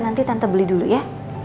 nanti tante beli dulu ya